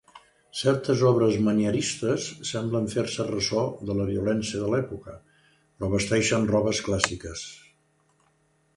Certes obres manieristes semblen fer-se ressò de la violència de l'època, però vesteixen robes clàssiques.